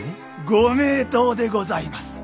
ご名答でございます！